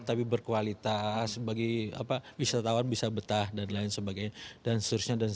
tapi berkualitas bagi wisatawan bisa betah dan lain sebagainya dan seterusnya